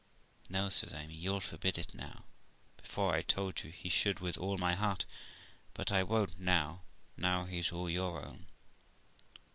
'No', says Amy; 'you'll forbid it now. Before, I told you he should, with all my heart; but I won't now, now he's all your own.'